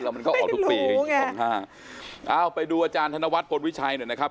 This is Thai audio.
มันก็ออกทุกปีสองห้าเอาไปดูอาจารย์ธนวัฒนพลวิชัยหน่อยนะครับ